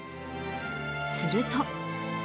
すると。